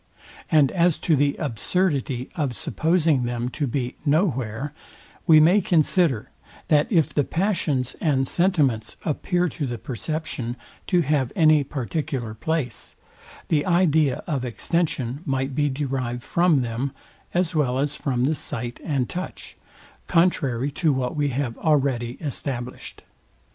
And as to the absurdity of supposing them to be no where, we may consider, that if the passions and sentiments appear to the perception to have any particular place, the idea of extension might be derived from them, as well as from the sight and touch; contrary to what we have already established.